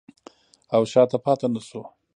او شاته پاتې نشو.